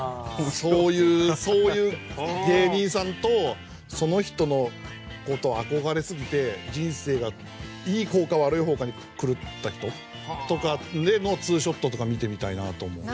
そういうそういう芸人さんとその人の事憧れすぎて人生がいい方か悪い方かに狂った人とかでの『２ショット』とか見てみたいなと思う。